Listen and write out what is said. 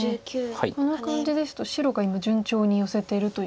この感じですと白が今順調にヨセてるという？